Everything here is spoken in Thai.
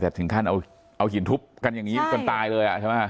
แต่ถึงขั้นเอาหินทุบกันอย่างนี้จนตายเลยใช่ไหม